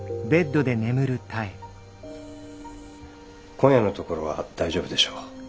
今夜のところは大丈夫でしょう。